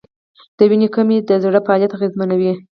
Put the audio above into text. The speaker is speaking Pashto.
د وینې کمی د زړه فعالیت اغېزمنوي.